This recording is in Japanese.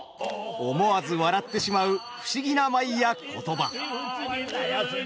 思わず笑ってしまう不思議な舞や言葉。